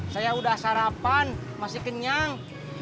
saya udah sarapan masih kenyang